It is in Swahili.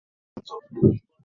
Tulieni mwamnzo.